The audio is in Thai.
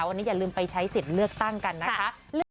วันนี้อย่าลืมไปใช้สิทธิ์เลือกตั้งกันนะคะ